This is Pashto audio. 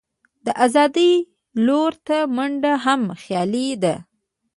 د آزادۍ لور ته منډه هم خیالي ده.